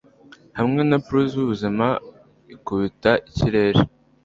Hamwe na pulse yubuzima ikubita ikirere